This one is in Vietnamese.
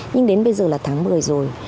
nhưng đến bây giờ là tháng một mươi rồi